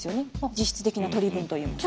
実質的な取り分というのは。